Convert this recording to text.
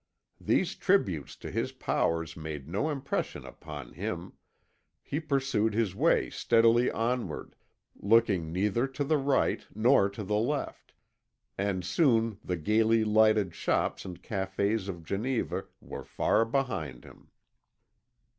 These tributes to his powers made no impression upon him; he pursued his way steadily onward, looking neither to the right nor to the left, and soon the gaily lighted shops and cafés of Geneva were far behind him.